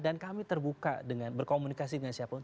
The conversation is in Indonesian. dan kami terbuka dengan berkomunikasi dengan siapapun